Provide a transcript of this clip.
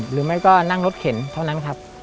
หรือไม่ก็นั่งรถเข็นเท่านั้นครับ